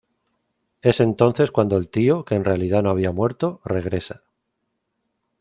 Es entonces cuando el tío, que en realidad no había muerto, regresa.